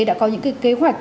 đã có những cái kế hoạch